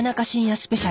スペシャル